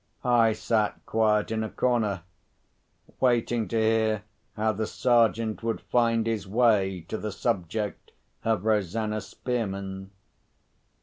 I sat quiet in a corner, waiting to hear how the Sergeant would find his way to the subject of Rosanna Spearman.